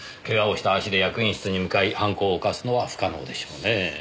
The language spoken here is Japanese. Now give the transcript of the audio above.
けがをした足で役員室に向かい犯行を犯すのは不可能でしょうねぇ。